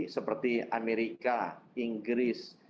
seperti amerika inggris